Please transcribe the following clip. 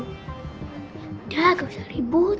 udah gak usah ribut